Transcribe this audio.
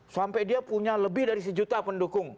sampai dia punya lebih dari sejuta pendukung